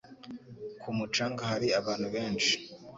Ku mucanga hari abantu benshi.